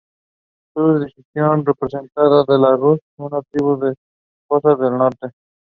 It is recorded between Lisbon and Madeira.